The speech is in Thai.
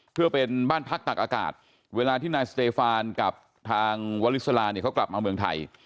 เพื่อเป็นบ้านพักตักอากาศเวลาที่นายสเตฟานกับทางวาลิสลาเนี่ยเขากลับมาเมืองไทย